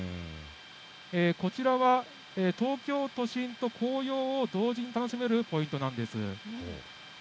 こちらは東京都心と紅葉を同時に楽しめるポイントなんです。